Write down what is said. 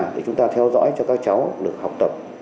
để chúng ta theo dõi cho các cháu được học tập